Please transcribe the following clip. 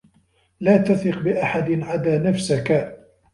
لا تثق بأحد عدى نفسك.